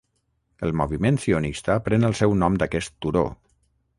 El moviment sionista pren el seu nom d'aquest turó.